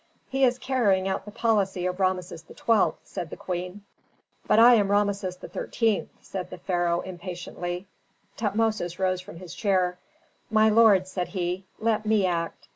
"He is carrying out the policy of Rameses XII.," said the queen. "But I am Rameses XIII.," said the pharaoh impatiently. Tutmosis rose from his chair. "My lord," said he, "let me act.